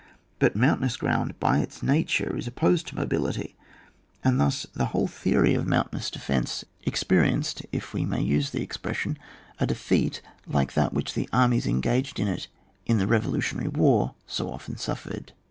But mountainous ground by its nature is opposed to mobility, and thus the whole theory of mountain defence experienced, if we maynse the expression, a defeat like that which the armies en gaged in it in the Eevolutionary war so often suffered.